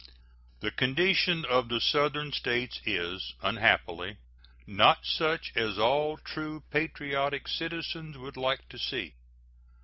The condition of the Southern States is, unhappily, not such as all true patriotic citizens would like to see.